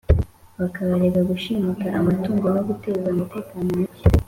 Bakabarega gushimuta amatungo, No guteza umutekano muke !